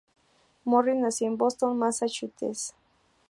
Morris nació en Boston, Massachusetts.